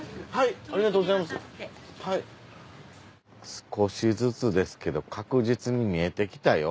少しずつですけど確実に見えてきたよ。